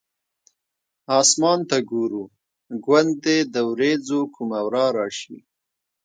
اسمان ته ګورو ګوندې د ورېځو کومه ورا راشي.